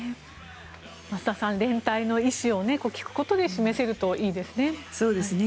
増田さん、連帯の意思を聴くことで示せるといいですね。